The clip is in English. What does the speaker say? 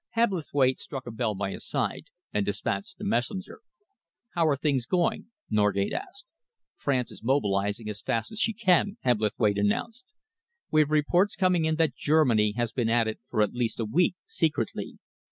Hebblethwaite struck a bell by his side and despatched a messenger. "How are things going?" Norgate asked. "France is mobilising as fast as she can," Hebblethwaite announced. "We have reports coming in that Germany has been at it for at least a week, secretly.